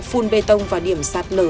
phun bê tông và điểm sạt lở